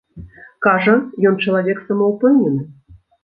Кажа, ён чалавек самаўпэўнены.